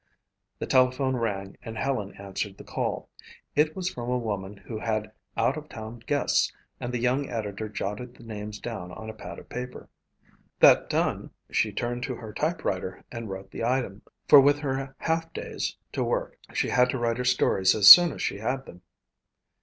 The telephone rang and Helen answered the call. It was from a woman who had out of town guests and the young editor jotted the names down on a pad of paper. That done she turned to her typewriter and wrote the item, for with her half days to work she had to write her stories as soon as she had them.